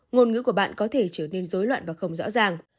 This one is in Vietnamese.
ngôn ngữ của bạn có thể trở nên dối loạn và không rõ ràng